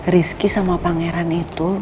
rizky sama pangeran itu